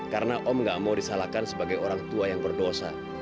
karena om nggak mau disalahkan sebagai orang tua yang berdosa